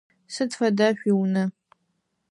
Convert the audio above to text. Сыд фэда шъуиунэ?